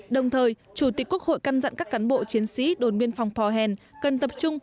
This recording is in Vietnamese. đồng thời chủ tịch quốc hội căn dặn các cán bộ chiến sĩ đồn biên phòng pò hèn cần tập trung